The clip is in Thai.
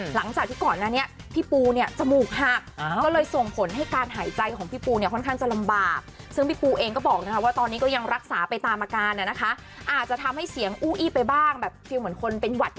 หลังจากที่ก่อนนั้นเนี่ยพี่ปูเนี่ยจมูกฮัก